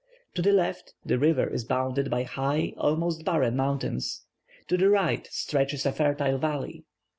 To the left, the river is bounded by high, almost barren mountains; to the right stretches a fertile valley.